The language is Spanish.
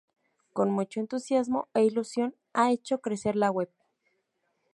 Con mucho entusiasmo e ilusión, ha hecho crecer la web.